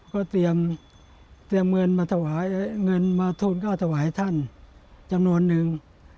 ก็เตรียมเงินมาถูกเก้าถวายท่านจังหวัดหนึ่ง